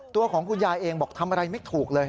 ตัวของคุณยายเองบอกทำอะไรไม่ถูกเลย